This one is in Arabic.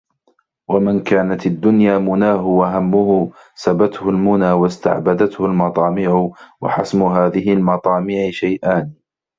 وَمَنْ كَانَتْ الدُّنْيَا مُنَاهُ وَهَمُّهُ سَبَتْهُ الْمُنَى وَاسْتَعْبَدَتْهُ الْمَطَامِعُ وَحَسْمُ هَذِهِ الْمَطَامِعِ شَيْئَانِ